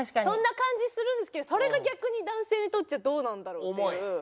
そんな感じするんですけどそれが逆に男性にとってはどうなんだろうっていう。